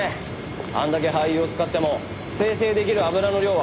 あんだけ廃油を使っても精製できる油の量は限られてて。